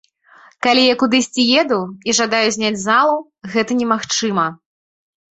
Калі я кудысьці еду і жадаю зняць залу, гэта немагчыма.